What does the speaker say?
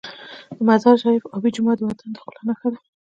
د مزار شریف آبي جومات د وطن د ښکلا نښه ده.